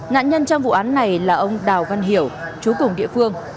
nạn nhân trong vụ án này là ông đào văn hiểu chú cùng địa phương